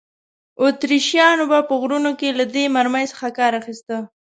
اتریشیانو به په غرونو کې له دې مرمۍ څخه کار اخیست.